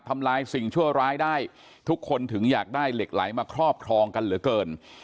ทำลายสิ่งชั่วร้ายได้ทุกคนถึงอยากได้เหล็กไหลมาครอบครองกันเหลือเกิน